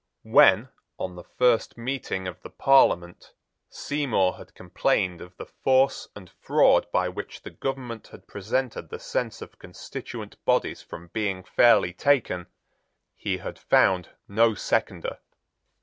When, on the first meeting of the Parliament, Seymour had complained of the force and fraud by which the government had prevented the sense of constituent bodies from being fairly taken, he had found no seconder.